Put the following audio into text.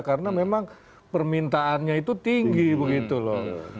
karena memang permintaannya itu tinggi begitu loh